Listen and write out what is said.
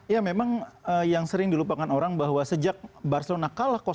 ya memang yang sering dilupakan orang bahwa sejak barcelona kalah satu